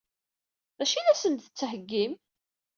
D acu i la sen-d-tettheggim?